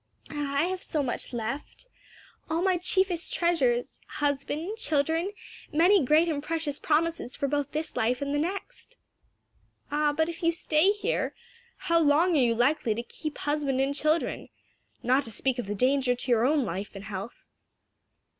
"Ah, I have so much left! All my chiefest treasures, husband, children, many great and precious promises for both this life and the next." "Ah, but if you stay here, how long are you likely to keep husband and children? not to speak of the danger to your own life and health."